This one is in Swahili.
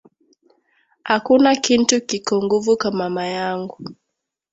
Akuna kintu kiko nguvu kwa mama yangu